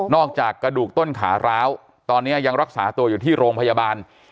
กระดูกต้นขาร้าวตอนนี้ยังรักษาตัวอยู่ที่โรงพยาบาล